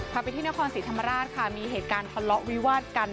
พาไปที่นครศรีธรรมราชค่ะมีเหตุการณ์ทะเลาะวิวาดกัน